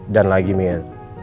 dan lagi mir